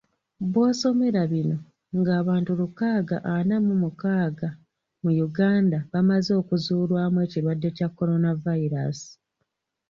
Bwosomera bino, ng'abantu lukaaga ana mu mukaaga mu Uganda bamaze okuzuulwamu ekirwadde kya coronavirus.